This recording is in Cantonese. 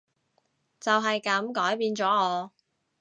就係噉改變咗我